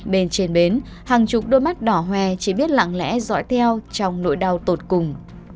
bên trên bến hàng chục đôi mắt đỏ hòe chỉ biết lặng lẽ dõi theo trong nỗi đau tột cùng